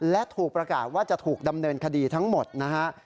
และถูกประกาศว่าจะถูกดำเนินคดีทั้งหมดนะฮะ